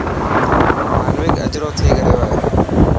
مانوڪ اجرو ٿي گيو هي.